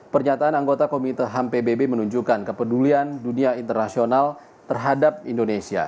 pernyataan anggota komite ham pbb menunjukkan kepedulian dunia internasional terhadap indonesia